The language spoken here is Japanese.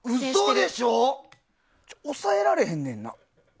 押さえられへんねんな。